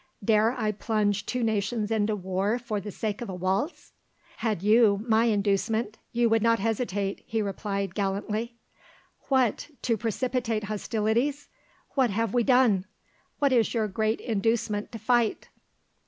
"Dare I plunge two nations into war for the sake of a waltz?" "Had you my inducement you would not hesitate," he replied gallantly. "What, to precipitate hostilities! What have we done? What is your great inducement to fight?"